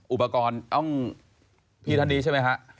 อุปกรณ์ต้องพี่ท่านนี้ใช่ไหมฮะ